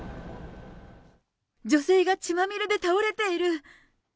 女性が血まみれで倒れている。